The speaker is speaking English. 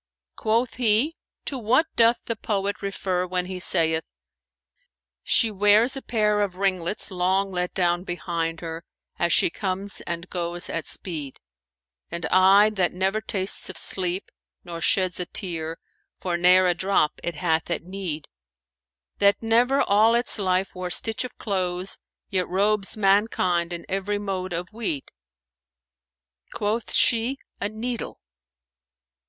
'" Quoth he "To what doth the poet refer when he saith, 'She wears a pair of ringlets long let down * Behind her, as she comes and goes at speed, And eye that never tastes of sleep nor sheds * A tear, for ne'er a drop it hath at need; That never all its life wore stitch of clothes; * Yet robes mankind in every mode of weed?'" Quoth she, "A needle."